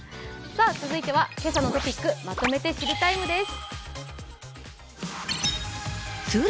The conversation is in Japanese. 続いては「けさのトピックまとめて知りＴＩＭＥ，」です。